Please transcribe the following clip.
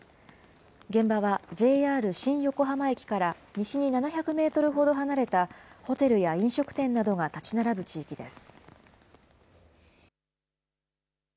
現場は、ＪＲ新横浜駅から西に７００メートルほど離れた、ホテルや飲食店などが建ち並ぶ地域です。